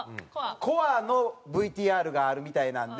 コアのＶＴＲがあるみたいなんで。